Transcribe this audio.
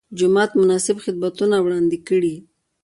جومات مناسب خدمتونه وړاندې کړي.